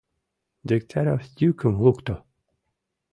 — Дегтярев йӱкым лукто.